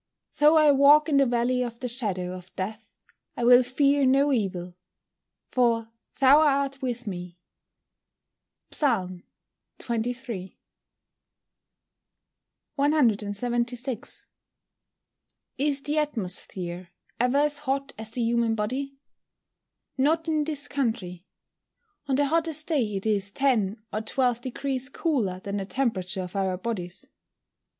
[Verse: "Though I walk in the valley of the shadow of death I will fear no evil, for thou art with me." PSALM XXIII.] 176. Is the atmosphere ever as hot as the human body? Not in this country. On the hottest day it is 10 or 12 deg. cooler than the temperature of our bodies.